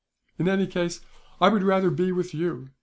"In any case, I would rather be with you.